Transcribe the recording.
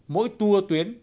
mỗi tua tuyến